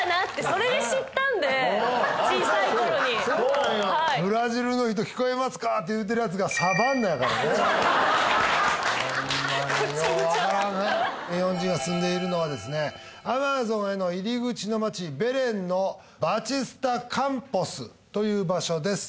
ほんまにようわからんですね日本人が住んでいるのはですねアマゾンへの入り口の町ベレンのバチスタカンポスという場所です